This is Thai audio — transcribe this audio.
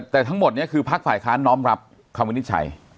แต่ทั้งหมดนี้คือภาคฝ่ายค้าน้อมรับคำวินิจฉัย